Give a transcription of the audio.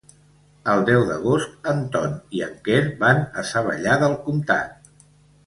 El deu d'agost en Ton i en Quer van a Savallà del Comtat.